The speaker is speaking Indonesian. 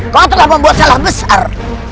kau telah membuat jalan besar